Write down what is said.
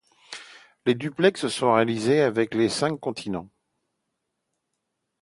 Des duplex sont réalisés avec les cinq continents.